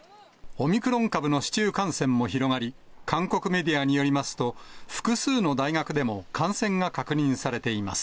オミクロン株の市中感染も広がり、韓国メディアによりますと、複数の大学でも感染が確認されています。